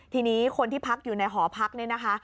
ทีนี้คนที่พักอยู่ในหอพักเนี่ยนะคะ